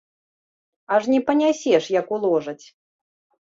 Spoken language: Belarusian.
Аж не панясеш, як уложаць!